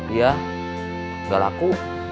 iya gak laku